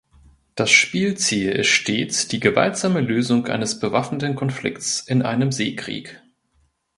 Das Spielziel ist stets die gewaltsame Lösung eines bewaffneten Konflikts in einem Seekrieg.